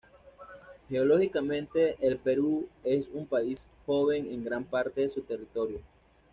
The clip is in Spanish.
Geológicamente, el Perú es un país joven en gran parte de su territorio.